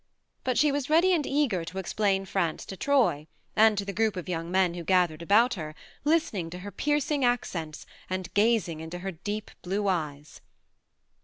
But she was ready and eager to explain France to Troy, and to the group of young men who gathered about her, listening to her piercing accents and gazing into her deep blue eyes.